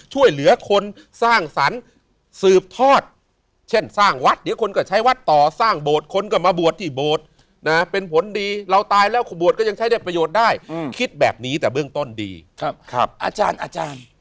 เชื่อว่าเจ้าที่ค่ะ